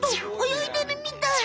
泳いでるみたい。